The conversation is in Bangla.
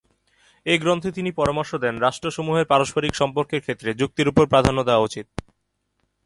এ গ্রন্থে তিনি পরামর্শ দেন, রাষ্ট্রসমূহের পারস্পরিক সম্পর্কের ক্ষেত্রে যুক্তির উপর প্রাধান্য দেওয়া উচিত।